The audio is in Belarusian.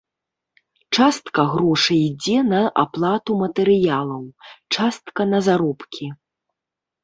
Частка грошай ідзе на аплату матэрыялаў, частка на заробкі.